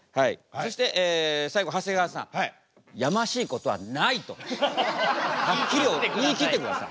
そして最後長谷川さん「やましいことはない」とはっきり言い切ってください。